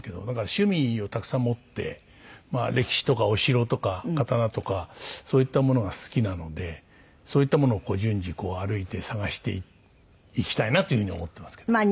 だから趣味をたくさん持って歴史とかお城とか刀とかそういったものが好きなのでそういったものを順次歩いて探していきたいなというふうに思ってますけど。